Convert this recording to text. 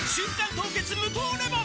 凍結無糖レモン」